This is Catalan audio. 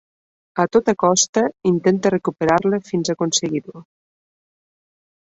A tota costa intenta recuperar-la fins a aconseguir-ho.